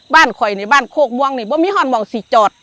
บ้านครอยนี่บ้านโคกม่วงนี่บ่เป่านี่ที่ว่ามันมองสี่จอด